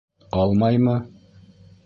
Алмаймы?